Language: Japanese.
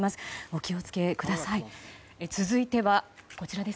お気を付けください。